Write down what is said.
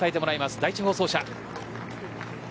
第１放送車。